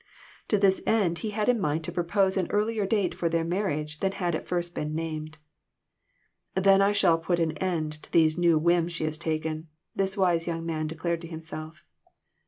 To this end he had in mind to propose an earlier date for their marriage than had at first been named. "Then I shall soon put an end to these new whims she has taken," this wise young man declared to himself.